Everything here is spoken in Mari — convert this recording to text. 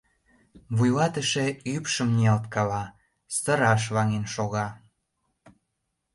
Вуйлатыше ӱпшым ниялткала, сыраш ваҥен шога.